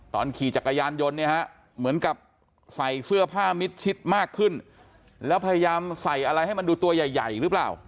ขี่จักรยานยนต์เนี่ยฮะเหมือนกับใส่เสื้อผ้ามิดชิดมากขึ้นแล้วพยายามใส่อะไรให้มันดูตัวใหญ่หรือเปล่า